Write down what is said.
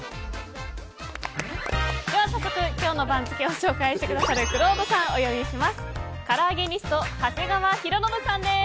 今日の番付を紹介してくださるくろうとさんをお呼びします。